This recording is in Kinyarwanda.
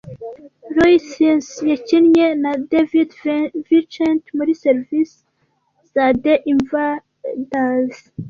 Roy Thines yakinnye na David Vincent muri serivise za The Invaders